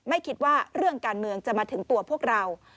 ไม่คิดว่าเรื่องการเมืองจะมาถึงตัวพวกเรา